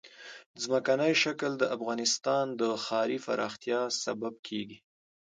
ځمکنی شکل د افغانستان د ښاري پراختیا سبب کېږي.